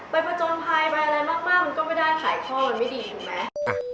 ผจญภัยไปอะไรมากมันก็ไม่ได้ขายข้อมันไม่ดีถูกไหม